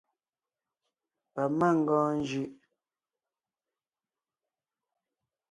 Pamangɔɔn njʉʼ.